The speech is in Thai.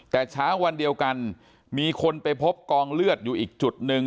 แต่เช้าวันเดียวกันมีคนไปพบกองเลือดอยู่อีกจุดหนึ่ง